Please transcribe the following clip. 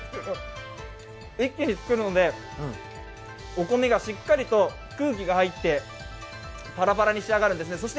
一気に作るのでお米がしっかりと空気が入って、パラパラに仕上がるんですね。